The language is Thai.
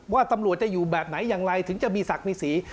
ว่าตำรวจจะอยู่แบบไหนอย่างไรถึงจะมีศักดิ์มีสี